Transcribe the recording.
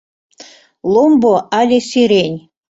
Ломбо але сирень